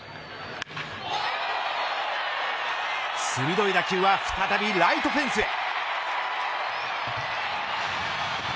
鋭い打球は再びライトフェンスへ。